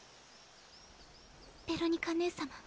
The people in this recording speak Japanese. ベロニカ姉様